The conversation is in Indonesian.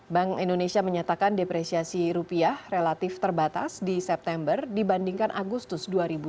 bank indonesia menyatakan depresiasi rupiah relatif terbatas di september dibandingkan agustus dua ribu dua puluh